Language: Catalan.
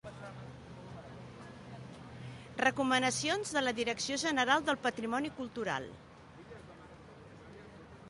Recomanacions de la Direcció General del Patrimoni Cultural.